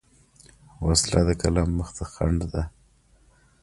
وسله د قلم مخ ته خنډ ده